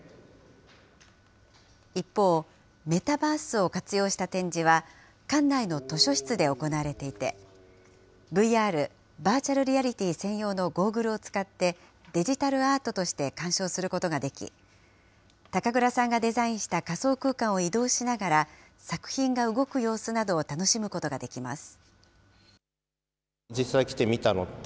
一方、メタバースを活用した展示は、館内の図書室で行われていて、ＶＲ・バーチャルリアリティー専用のゴーグルを使って、デジタルアートとして鑑賞することができ、たかくらさんがデザインした仮想空間を移動しながら、作品が動く様子などを楽しむことができます。